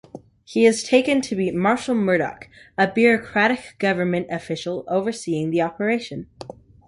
He is taken to meet Marshall Murdock, a bureaucratic government official overseeing the operation.